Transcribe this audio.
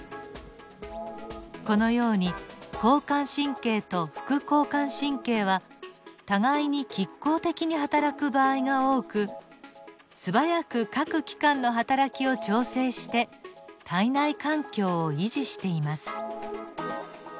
このように交感神経と副交感神経は互いに拮抗的にはたらく場合が多く素早く各器官のはたらきを調整して体内環境を維持しています。